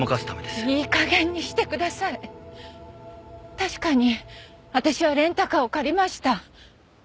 確かに私はレンタカーを借りました。